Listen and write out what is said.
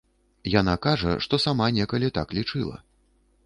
Яна кажа, што сама некалі так лічыла.